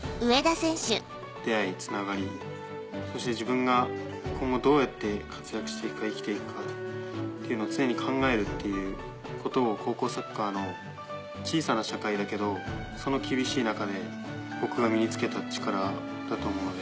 出会いつながりそして自分が今後どうやって活躍して行くか生きて行くかっていうのを常に考えるっていうことを高校サッカーの小さな社会だけどその厳しい中で僕が身に付けた力だと思うので。